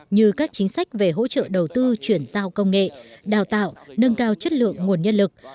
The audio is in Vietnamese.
như các chính sách về hỗ trợ đầu tư chuyển giao công nghệ đào tạo nâng cao chất lượng nguồn nhân lực